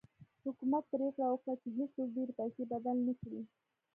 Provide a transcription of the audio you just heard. حکومت پرېکړه وکړه چې هېڅوک ډېرې پیسې بدل نه کړي.